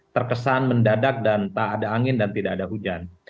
terkesan mendadak dan tak ada angin dan tidak ada hujan